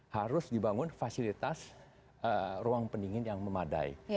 harus dibangun fasilitas ruang pendingin yang memadai